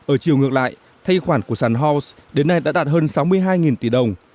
ở chiều ngược lại thanh khoản của sản halls đến nay đã đạt hơn sáu mươi hai tỷ đồng